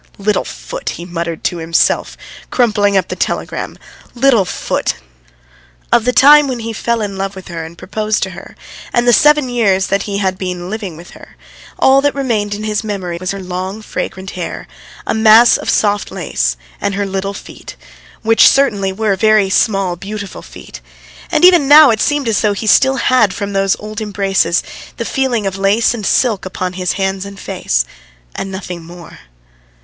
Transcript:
"'Little foot'!" he muttered to himself, crumpling up the telegram; "'little foot'!" Of the time when he fell in love and proposed to her, and the seven years that he had been living with her, all that remained in his memory was her long, fragrant hair, a mass of soft lace, and her little feet, which certainly were very small, beautiful feet; and even now it seemed as though he still had from those old embraces the feeling of lace and silk upon his hands and face and nothing more.